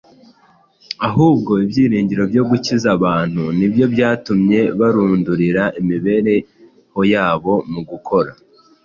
Ahubwo ibyiringiro byo gukiza abantu ni byo byatumye barundurira imibereho yabo mu gukora